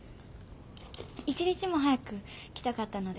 一日も早く来たかったので。